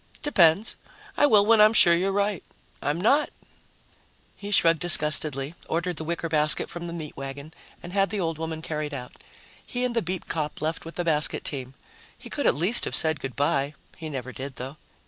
"Depends. I will when I'm sure you're right. I'm not." He shrugged disgustedly, ordered the wicker basket from the meat wagon and had the old woman carried out. He and the beat cop left with the basket team. He could at least have said good by. He never did, though.